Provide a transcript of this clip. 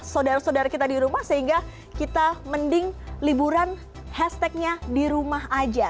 saudara saudara kita di rumah sehingga kita mending liburan hashtagnya di rumah aja